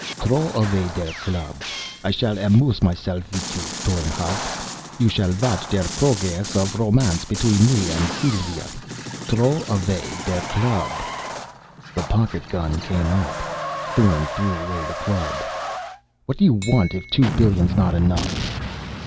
"Throw away der club. I shall amuse myself with you, Thorn Hardt. You shall watch der progress of romance between me and Sylva. Throw away der club!" The pocket gun came up. Thorn threw away the club. "What do you want, if two billion's not enough?"